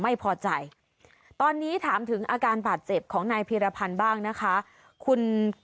ไม่พอใจตอนนี้ถามถึงอาการบาดเจ็บของนายพีรพันธ์บ้างนะคะคุณ